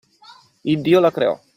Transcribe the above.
Iddio la creò.